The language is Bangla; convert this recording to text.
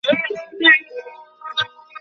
তিনি পররাষ্ট্রমন্ত্রীর দায়িত্ব পালন করেন।